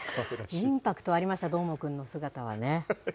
インパクトありました、どーもくんの姿はね。